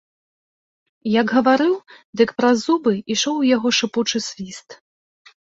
Як гаварыў, дык праз зубы ішоў у яго шыпучы свіст.